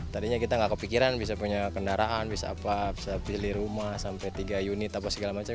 tadinya kita nggak kepikiran bisa punya kendaraan bisa apa bisa pilih rumah sampai tiga unit apa segala macam